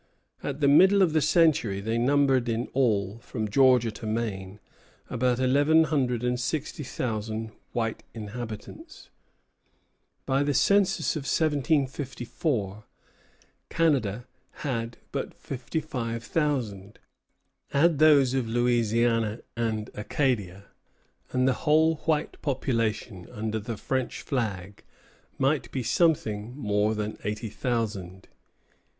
At the middle of the century they numbered in all, from Georgia to Maine, about eleven hundred and sixty thousand white inhabitants. By the census of 1754 Canada had but fifty five thousand. Add those of Louisiana and Acadia, and the whole white population under the French flag might be something more than eighty thousand.